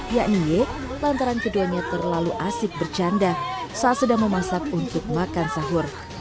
yakni y lantaran keduanya terlalu asik bercanda saat sedang memasak untuk makan sahur